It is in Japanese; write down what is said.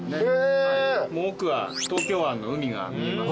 もう奥は東京湾の海が見えます。